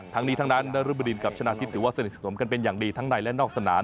ทั้งนี้ทั้งนั้นนรบดินกับชนะทิพย์ถือว่าสนิทสนมกันเป็นอย่างดีทั้งในและนอกสนาม